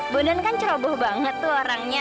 bondan kan ceroboh banget tuh orangnya